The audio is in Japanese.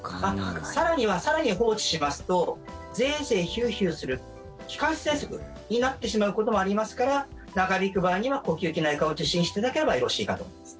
更には、更に放置しますとゼーゼー、ヒューヒューする気管支ぜんそくになってしまうこともありますから長引く場合には、呼吸器内科を受診していただければよろしいかと思います。